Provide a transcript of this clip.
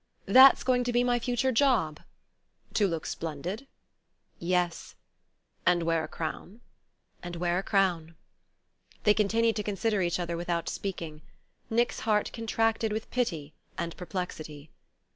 "That's going to be my future job." "To look splendid?" "Yes." "And wear a crown?" "And wear a crown...." They continued to consider each other without speaking. Nick's heart contracted with pity and perplexity.